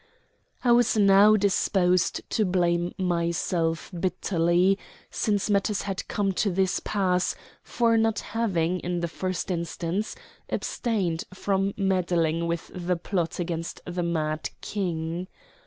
I was now disposed to blame myself bitterly, since matters had come to this pass, for not having, in the first instance, abstained from meddling with the plot against the mad King.